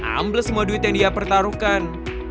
ambles semua duit yang dia pertaruhkan